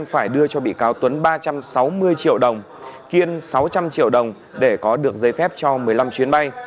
phải đưa cho bị cáo tuấn ba trăm sáu mươi triệu đồng kiên sáu trăm linh triệu đồng để có được giấy phép cho một mươi năm chuyến bay